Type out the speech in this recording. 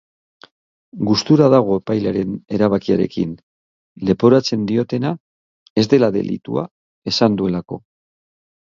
Gustura dago epailearen erabakiarekin, leporatzen diotena ez dela delitua esan duelako.